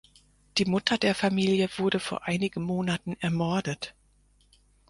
Die Mutter der Familie wurde vor einigen Monaten ermordet.